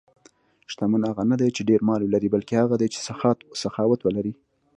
شتمن هغه نه دی چې ډېر مال ولري، بلکې هغه دی چې سخاوت لري.